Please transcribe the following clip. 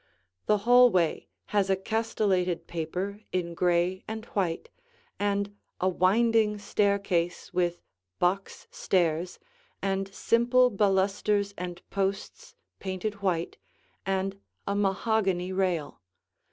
The hallway has a castellated paper in gray and white and a winding staircase with box stairs and simple balusters and posts painted white and a mahogany rail.